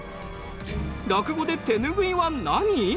落語で手ぬぐいは何？